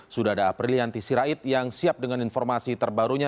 sudah ada aprilianti sirait yang siap dengan informasi terbarunya